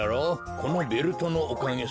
このベルトのおかげさ。